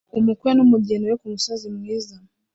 Umukwe n'umugeni we kumusozi mwiza